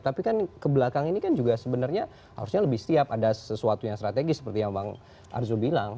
tapi kan kebelakang ini kan juga sebenarnya harusnya lebih setiap ada sesuatu yang strategis seperti yang bang arzul bilang